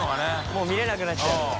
もう見れなくなっちゃう。